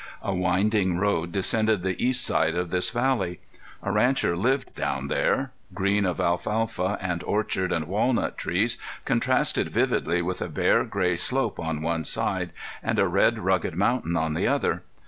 A winding road descended the east side of this valley. A rancher lived down there. Green of alfalfa and orchard and walnut trees contrasted vividly with a bare, gray slope on one side, and a red, rugged mountain on the other.